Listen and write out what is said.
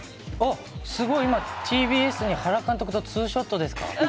すごい今、ＴＢＳに原監督とツーショットですか？